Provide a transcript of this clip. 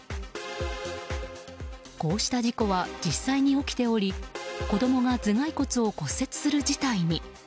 こうした事故は実際に起きており子供が頭蓋骨を骨折する事態に。